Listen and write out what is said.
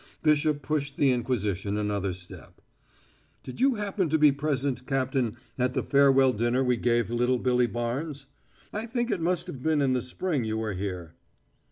Bishop pushed the inquisition another step: "Did you happen to be present, Captain, at the farewell dinner we gave little Billy Barnes? I think it must have been in the spring you were here."